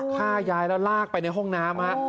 ฆ่ายายแล้วลากไปในห้องน้ำ